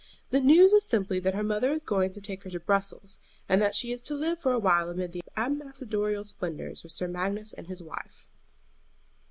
The news is simply that her mother is going to take her to Brussels, and that she is to live for a while amid the ambassadorial splendors with Sir Magnus and his wife."